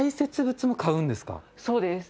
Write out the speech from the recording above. そうです。